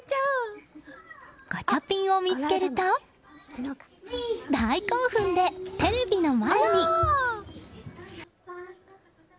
ガチャピンを見つけると大興奮でテレビの前に。